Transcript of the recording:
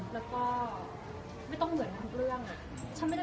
แล้วก็ไม่ต้องเหมือนทุกเรื่อง